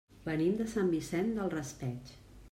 Venim de Sant Vicent del Raspeig.